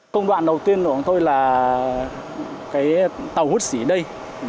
công đoạn đầu tiên của chúng tôi là tàu hút xỉ đây